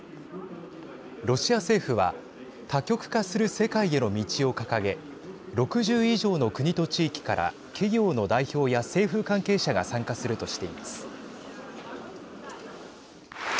ロシア政府は多極化する世界への道を掲げ６０以上の国と地域から企業の代表や政府関係者が参加するとしています。